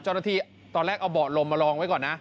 เจ้าหน้าที่ตอนแรกเอาเบาะลมมาลองไว้ก่อนนะ